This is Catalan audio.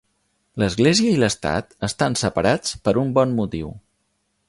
L'església i l'estat estan separats per un bon motiu.